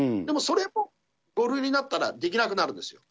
でもそれも５類になったらできなくなるんです。